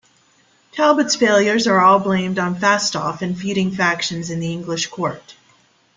Talbot's failures are all blamed on Fastolf and feuding factions in the English court.